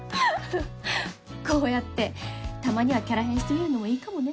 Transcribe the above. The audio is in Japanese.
こうやってたまにはキャラ変してみるのもいいかもね。